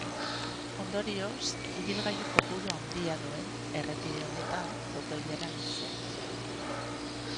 Ondorioz, ibilgailu kopuru handia duen errepide honetan auto-ilara luzeak sortu dira.